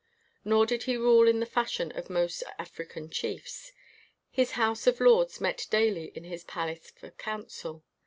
Nor did he rule in the f ashon of most African chiefs. His House of Lords met daily in his palace for counsel.